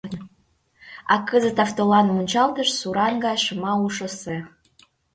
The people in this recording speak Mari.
А кызыт автолан мунчалтыш Суран гай шыма у шоссе.